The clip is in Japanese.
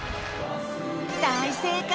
大正解！